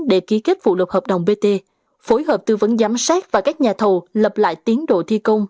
để ký kết phụ lục hợp đồng bt phối hợp tư vấn giám sát và các nhà thầu lập lại tiến độ thi công